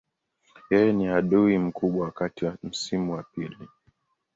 Yeye ni adui mkubwa wakati wa msimu wa pili.